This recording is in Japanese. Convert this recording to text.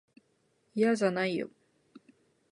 いやじゃないよ。